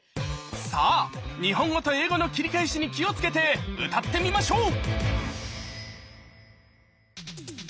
さあ日本語と英語の切り返しに気を付けて歌ってみましょう！